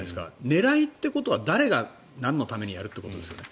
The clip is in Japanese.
狙いということは誰がなんのためにやったかということですよね。